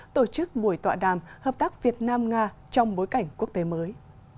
tổ chức buổi tọa đàm hợp tác việt nam nga trong bối cảnh quốc tế mới